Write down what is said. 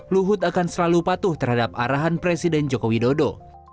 luhut akan selalu patuh terhadap arahan presiden jokowi dodo